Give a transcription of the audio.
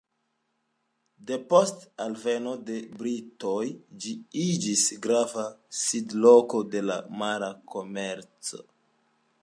Depost alveno de britoj ĝi iĝis grava sidloko de la mara komerco.